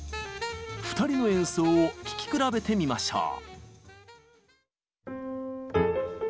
２人の演奏を聴き比べてみましょう。